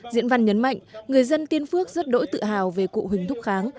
diễn văn nhấn mạnh người dân tiên phước rất đỗi tự hào về cụ huỳnh thúc kháng